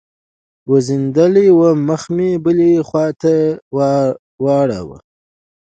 بوږنېدلى وم مخ مې بلې خوا ته واړاوه.